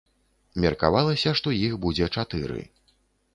Меркавалася, што іх будзе чатыры.